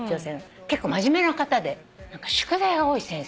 結構真面目な方で宿題が多い先生。